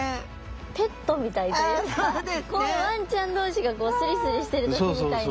ペットみたいというかこうワンちゃん同士がこうスリスリしてる時みたいな。